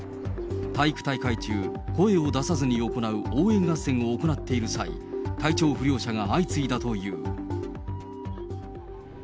体育大会中、声を出さずに行う応援合戦を行っている際、体調不良者が相次いだという。